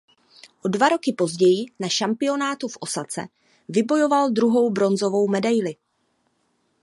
O dva roky později na šampionátu v Ósace vybojoval druhou bronzovou medaili.